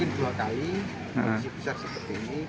kondisi besar seperti ini